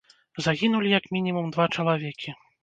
Загінулі, як мінімум, два чалавекі.